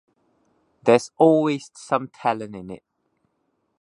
There is always some talent in it.